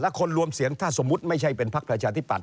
คนรวมเสียงถ้าสมมุติไม่ใช่เป็นพักประชาธิปัต